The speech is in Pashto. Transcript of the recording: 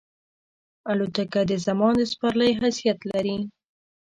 الوتکه د زمان د سپرلۍ حیثیت لري.